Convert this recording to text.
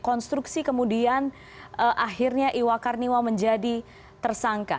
konstruksi kemudian akhirnya iwa karniwa menjadi tersangka